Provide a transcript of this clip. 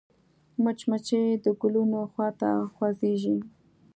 مچمچۍ د ګلونو خوا ته خوځېږي